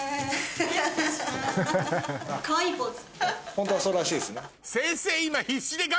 ホントはそうらしいですね。